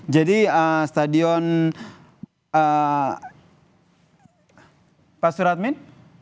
jadi stadion pak suratmin